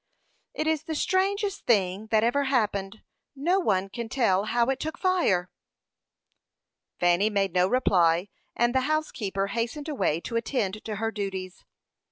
"It is the strangest thing that ever happened. No one can tell how it took fire." Fanny made no reply, and the housekeeper hastened away to attend to her duties.